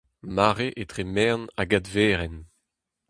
Mare etre merenn hag adverenn.